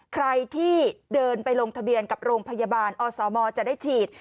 ใครที่เดินไปลงทะเบียนกับโรงพยาบาลอสมจะได้ฉีด